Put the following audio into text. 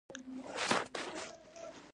جلانه ! بیا د سرو دردونو ډول ته